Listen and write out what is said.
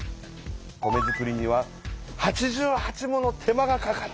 米づくりには８８もの手間がかかる。